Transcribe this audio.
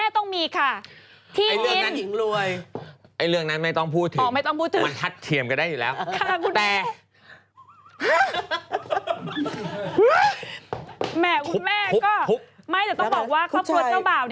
ต้องบอกว่าข้อปลูกเจ้าบ่่าว